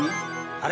あれ？